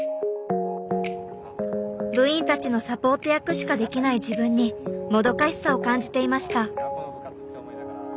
部員たちのサポート役しかできない自分にもどかしさを感じていました。